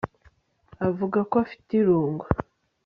avuga ko afite irungu